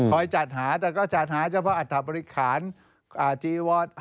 คอยจัดหาแต่ก็จัดหาเฉพาะอัธบริการจีวัฒน์